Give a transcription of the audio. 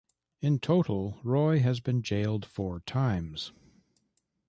In total Roy has been jailed four times.